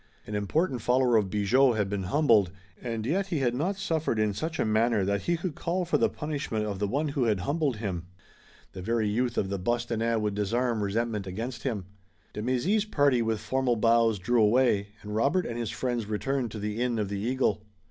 An important follower of Bigot had been humbled, and yet he had not suffered in such a manner that he could call for the punishment of the one who had humbled him. The very youth of the Bostonnais would disarm resentment against him. De Mézy's party with formal bows drew away, and Robert and his friends returned to the Inn of the Eagle.